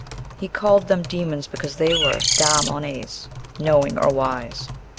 He called them demons because they were dah'mones (knowing or wise)."